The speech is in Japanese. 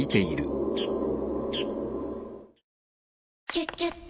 「キュキュット」